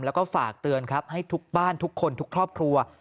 แล้วก็ฝากเตือนครับให้ทุกบ้านทุกคนทุกครอบครัว